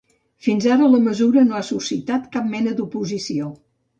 Fins ara, la mesura no ha suscitat cap mena d'oposició.